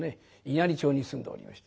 稲荷町に住んでおりました。